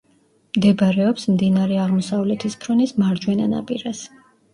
მდებარეობს მდინარე აღმოსავლეთის ფრონის მარჯვენა ნაპირას.